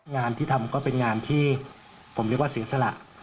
งานที่ทำก็เป็นงานที่ผมเรียกว่าเสียสละ